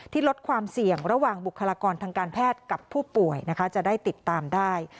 ลดความเสี่ยงระหว่างบุคลากรทางการแพทย์กับผู้ป่วยนะคะจะได้ติดตามได้